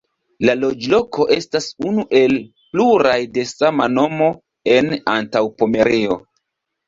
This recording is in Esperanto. La loĝloko estas unu el pluraj de sama nomo en Antaŭpomerio.